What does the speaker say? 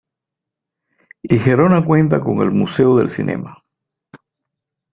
Y Gerona cuenta con el Museu del Cinema.